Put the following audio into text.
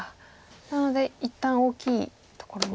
なので一旦大きいところに。